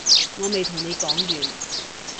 我未同你講完